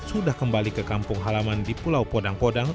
sudah kembali ke kampung halaman di pulau podang podang